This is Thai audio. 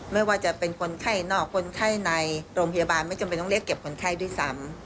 ไม่ว่าจะเป็นคนไข้นอกคนไข้ในโรงพยาบาลไม่จำเป็นต้องเรียกเก็บคนไข้ด้วยซ้ำ